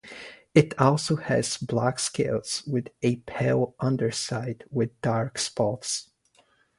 It also has black scales with a pale underside with dark spots.